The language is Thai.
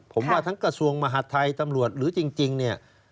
ผมว่าทั้งกระทรวงมหาดไทยตำรวจหรือจริงเนี่ย